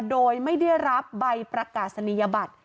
โดยไม่ได้รับใบประกาศนียบัตร